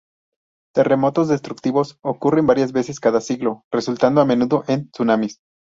Terremotos destructivos ocurren varias veces cada siglo, resultando a menudo en tsunamis.